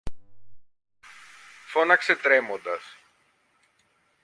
φώναξε τρέμοντας.